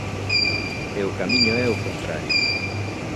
E o camiño é o contrario.